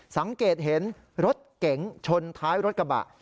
สังเกตเห็นรถเก๋งชนท้ายรถกระบะ